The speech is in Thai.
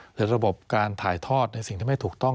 หรือระบบการถ่ายทอดในสิ่งที่ไม่ถูกต้อง